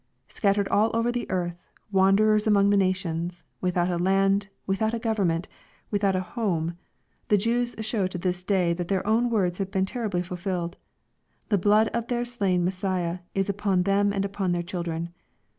Scattered all over the earth, wanderers among the nations, without a land, without a government, without a home, the Jews show to this day that their own words have been terribly fulfilled. The blood of thei slain Messiah " is upon them and upon their children."